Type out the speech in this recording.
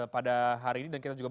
pada hari ini